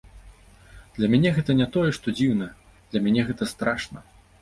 Для мяне гэта не тое, што дзіўна, для мяне гэта страшна.